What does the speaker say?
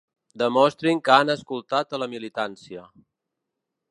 Demostrin que han escoltat a la militància.